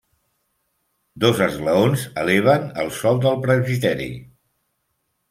Dos esglaons eleven el sòl del presbiteri.